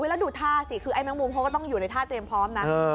แล้วดูท่าสิคือไอ้แมงมุมเขาก็ต้องอยู่ในท่าเตรียมพร้อมนะ